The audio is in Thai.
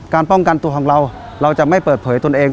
ป้องกันตัวของเราเราจะไม่เปิดเผยตนเอง